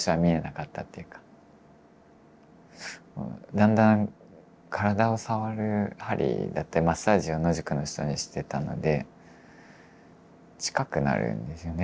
だんだん体を触る鍼だったりマッサージを野宿の人にしてたので近くなるんですよね